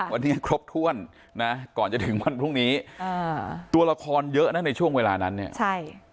วันนี้ครบถ้วนนะก่อนจะถึงวันพรุ่งนี้อ่าตัวละครเยอะนะในช่วงเวลานั้นเนี่ยใช่